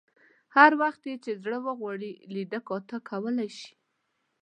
هر وخت یې چې زړه وغواړي لیده کاته کولای شي.